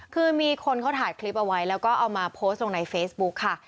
คือมีคนเขาถ่ายคลิปเอาไว้แล้วก็เอามาโพสต์ลงในเฟซบุ๊คค่ะ